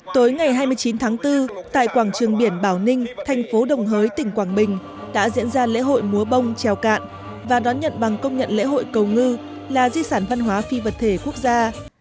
tối ngày hai mươi chín tháng bốn tại quảng trường biển bảo ninh thành phố đồng hới tỉnh quảng bình đã diễn ra lễ hội múa bông trèo cạn và đón nhận bằng công nhận lễ hội cầu ngư là di sản văn hóa phi vật thể quốc gia